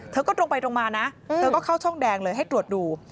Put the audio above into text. ตรงไปตรงมานะเธอก็เข้าช่องแดงเลยให้ตรวจดู